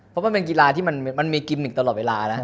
เพราะมันเป็นกีฬาที่มันมีกิมมิกตลอดเวลานะ